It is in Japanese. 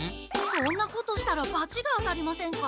そんなことしたらバチが当たりませんか？